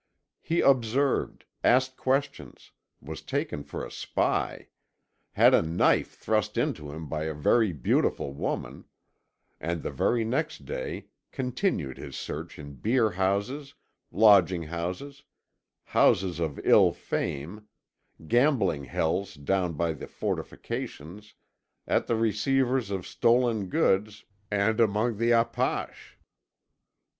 He observed, asked questions, was taken for a spy, had a knife thrust into him by a very beautiful woman, and the very next day continued his search in beer houses, lodging houses, houses of ill fame, gambling hells down by the fortifications, at the receivers of stolen goods, and among the "apaches."